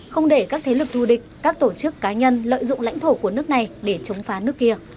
không để các thế lực thù địch các tổ chức cá nhân lợi dụng lãnh thổ của nước này để chống phá nước kia